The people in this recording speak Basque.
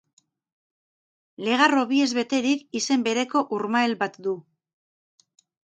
Legar-hobiez beterik, izen bereko urmael bat du.